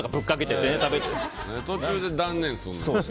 何で途中で断念すんの。